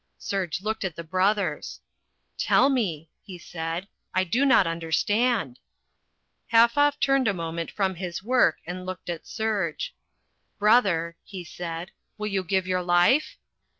Serge looked at the brothers. "Tell me," he said. "I do not understand." Halfoff turned a moment from his work and looked at Serge. "Brother," he said, "will you give your life?"